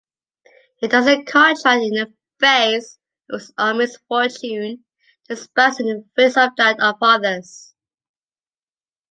He doesn’t contract in the face of his own misfortune, and expands in the face of that of others.